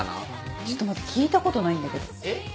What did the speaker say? ちょっと待って聞いたことないんだけど。